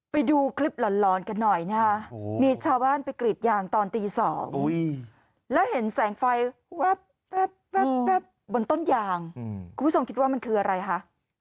ไปดูคลิปหลอนกันหน่อยนะคะมีชาวบ้านไปกรีดยางตอนตี๒แล้วเห็นแสงไฟแว๊บบนต้นยางคุณผู้ชมคิดว่ามันคืออะไรคะ